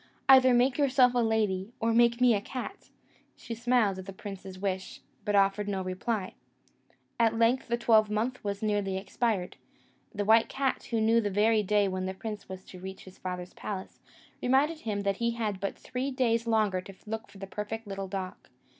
Either make yourself a lady, or make me a cat." She smiled at the prince's wish, but offered no reply. At length, the twelvemonth was nearly expired: the white cat, who knew the very day when the prince was to reach his father's palace, reminded him that he had but three days longer to look for a perfect little dog.